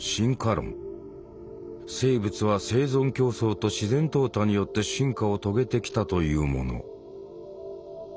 生物は生存競争と自然淘汰によって進化を遂げてきたというもの。